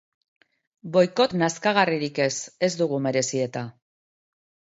Boikot nazkagarririk ez, ez dugu merezi eta.